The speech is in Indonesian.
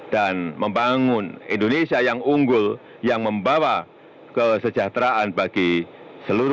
dan membangun indonesia yang unggul yang membawa kesejahteraan bagi negara